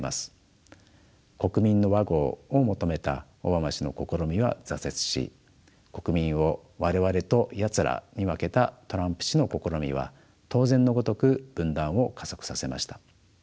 「国民の和合」を求めたオバマ氏の試みは挫折し国民を「我々」と「やつら」に分けたトランプ氏の試みは当然のごとく分断を加速させました。